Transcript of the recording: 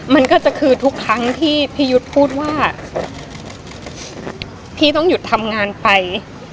มันก็จะคือทุกครั้งที่พี่ยุทธ์พูดว่าพี่ต้องหยุดทำงานไป